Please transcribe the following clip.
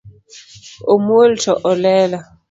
Omuol to olelo